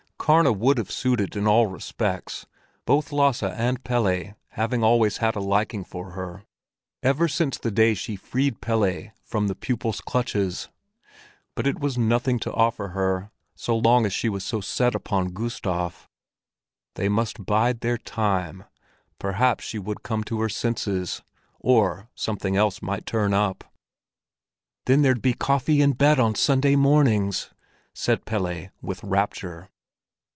Karna would have suited in all respects, both Lasse and Pelle having always had a liking for her ever since the day she freed Pelle from the pupil's clutches; but it was nothing to offer her as long as she was so set upon Gustav. They must bide their time; perhaps she would come to her senses, or something else might turn up. "Then there'd be coffee in bed on Sunday mornings!" said Pelle, with rapture.